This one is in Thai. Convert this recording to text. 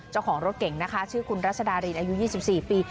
เจ้าของรถเก่งนะคะชื่อคุณรัศดารินอายุ๒๔ปี